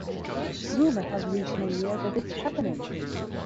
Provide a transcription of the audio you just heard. Rumor has reached my ear that it's happening.